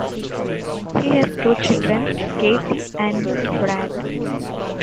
He has two children, Katie and Brad.